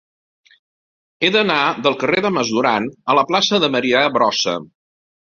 He d'anar del carrer del Mas Duran a la plaça de Marià Brossa.